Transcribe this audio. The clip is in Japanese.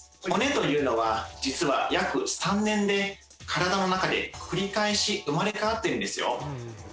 骨というのは実は約３年で体の中で繰り返し生まれ変わってるんですよ。